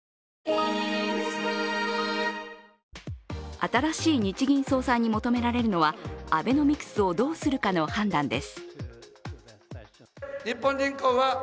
新しい日銀総裁に求められるのはアベノミクスをどうするかの判断です。